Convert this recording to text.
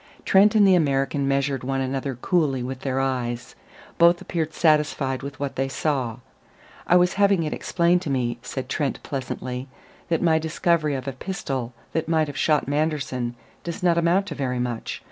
Trent and the American measured one another coolly with their eyes. Both appeared satisfied with what they saw. "I was having it explained to me," said Trent pleasantly, "that my discovery of a pistol that might have shot Manderson does not amount to very much.